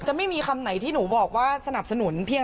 ไม่มีคำไหนที่หนูบอกว่าสนับสนุนเพียง